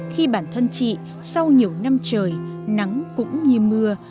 khi bản thân chị sau nhiều năm trời nắng cũng như mưa